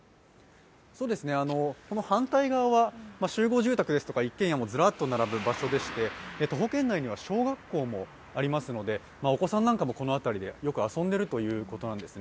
この反対側は集合住宅ですとか、ずらっと並ぶ場所でして、徒歩圏内には小学校もありますのでお子さんなんかもよく遊んでいるということなんですね。